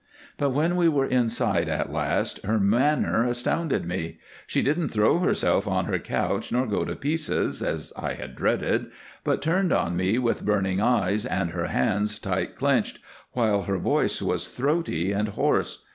But when we were inside at last her manner astounded me. She didn't throw herself on her couch nor go to pieces, as I had dreaded, but turned on me with burning eyes and her hands tight clenched, while her voice was throaty and hoarse.